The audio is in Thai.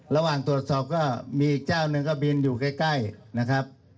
ระหว่างตรวจสอบก็มีอีกเจ้าหนึ่งก็บินอยู่ใกล้นะครับ